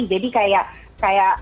jadi kayak kayak